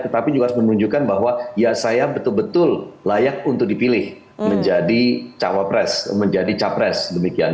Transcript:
tetapi juga harus menunjukkan bahwa ya saya betul betul layak untuk dipilih menjadi cawapres menjadi capres demikian